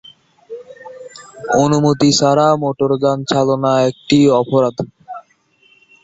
অনুমতিপত্র ছাড়া মোটরযান চালনা একটি অপরাধ।